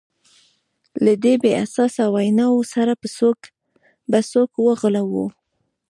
له دې بې اساسه ویناوو سره به څوک وغولوو.